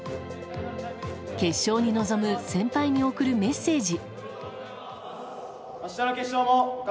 決勝に臨む先輩に送るメッセージ。